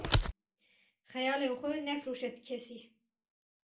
Xeyalên xwe nefiroşe ti kesî.